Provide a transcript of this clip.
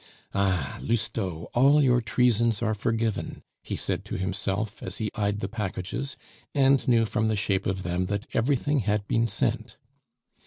"Ah! Lousteau, all your treasons are forgiven," he said to himself, as he eyed the packages, and knew from the shape of them that everything had been sent.